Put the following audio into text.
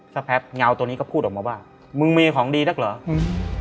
สักพักเงาตัวนี้ก็พูดออกมาว่ามึงมีของดีนักเหรออืม